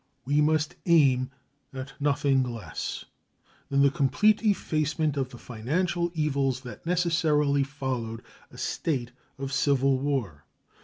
We must aim at nothing less than the complete effacement of the financial evils that necessarily followed a state of civil war.